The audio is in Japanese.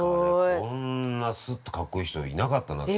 こんなすっと格好いい人いなかったなって。